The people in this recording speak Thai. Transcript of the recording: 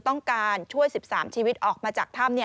ต้องการช่วย๑๓ชีวิตออกมาจากถ้ำ